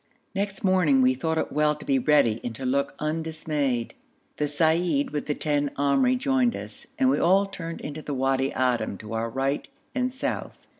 Next morning we thought it well to be ready and to look undismayed; the seyyid with the ten Amri joined us, and we all turned into the Wadi Adim to our right and south.